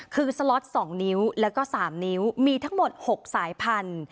คือสล็อต๒นิ้วแล้วก็๓นิ้วมีทั้งหมด๖สายพันธุ